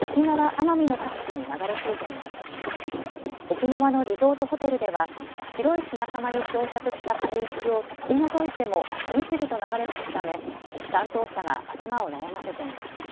沖縄のリゾートホテルでは白い砂浜に漂着した軽石を取り除いても次々と流れ着くため担当者が頭を悩ませています。